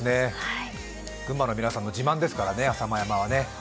群馬の皆さんの自慢ですからね、浅間山は。